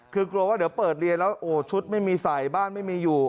คือกลัวว่าเดี๋ยวเปิดเรียนแล้วโอ้ชุดไม่มีใส่บ้านไม่มีอยู่